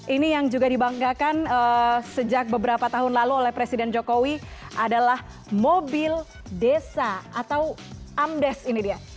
ini yang juga dibanggakan sejak beberapa tahun lalu oleh presiden jokowi adalah mobil desa atau amdes ini dia